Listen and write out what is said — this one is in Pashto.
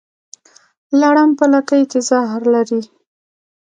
لړم په لکۍ کې زهر لري